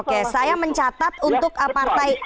oke saya mencatat untuk partai